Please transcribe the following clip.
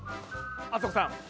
あさこさん。